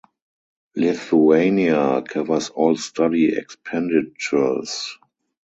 Lithuania covers all study expenditures.